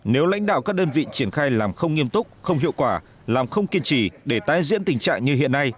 nếu lãnh đạo các đơn vị triển khai làm không nghiêm túc không hiệu quả làm không kiên trì để tái diễn tình trạng như hiện nay